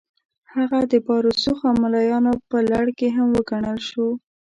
هغه د با رسوخه ملایانو په لړ کې هم وګڼل شو.